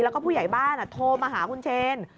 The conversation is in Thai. แล้วก็ผู้ใหญ่บ้านโทรมาหาคุณเชน